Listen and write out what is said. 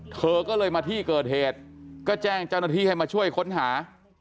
เธอก็เลยมาที่เกิดเหตุก็แจ้งเจ้าหน้าที่ให้มาช่วยค้นหา